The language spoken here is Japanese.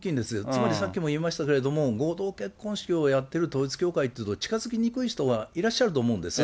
つまり、さっきも言いましたけれども、合同結婚式をやっている統一教会というと、近づきにくい人はいらっしゃると思うんです。